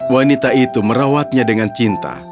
wanita itu merawatnya dengan cinta